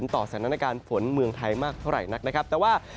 แต่ว่า